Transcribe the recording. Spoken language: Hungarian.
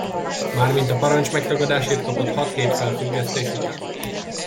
Mármint a parancsmegtagadásért kapott hat hét felfüggesztés után.